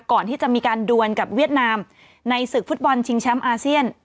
ก่อนที่จะมีการดวนกับเวียดนามในศึกฟุตบอลชิงแชมป์อาเซียน